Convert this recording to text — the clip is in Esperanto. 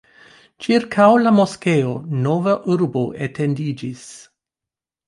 Ĉirkaŭ la moskeo nova urbo etendiĝis.